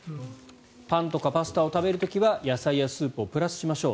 パンとかパスタを食べる時は野菜やスープをプラスしましょう。